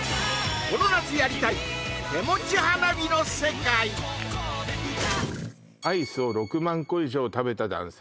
この夏やりたい「アイスを６万個以上食べた男性」